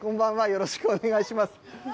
よろしくお願いします。